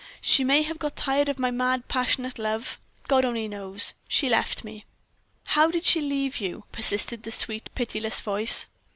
She may have got tired of my mad, passionate love only God knows. She left me." "How did she leave you?" persisted the sweet, pitiless voice.